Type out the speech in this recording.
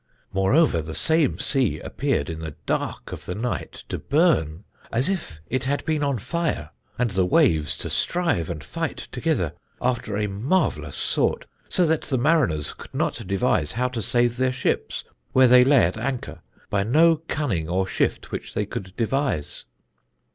Moreover, the same sea appeared in the darke of the night to burne, as it had been on fire, and the waves to strive and fight togither after a marvellous sort, so that the mariners could not devise how to save their ships where they laie at anchor, by no cunning or shift which they could devise.